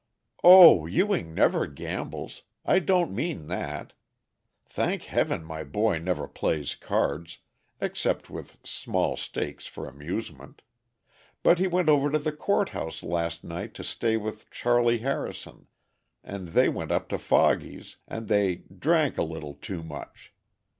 "O Ewing never gambles! I don't mean that. Thank heaven my boy never plays cards, except with small stakes for amusement. But he went over to the Court House last night to stay with Charley Harrison, and they went up to Foggy's and they drank a little too much.